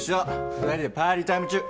２人でパーリータイム中。